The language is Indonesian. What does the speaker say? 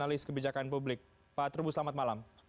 analis kebijakan publik pak trubus selamat malam